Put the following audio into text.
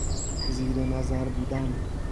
زیر نظر بودن